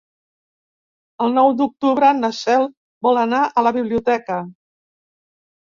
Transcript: El nou d'octubre na Cel vol anar a la biblioteca.